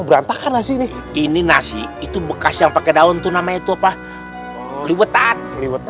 berantakan nasi nih ini nasi itu bekas yang pakai daun tuh namanya itu apa liwetan liwetan